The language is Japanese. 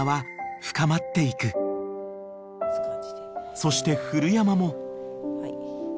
［そして古山も］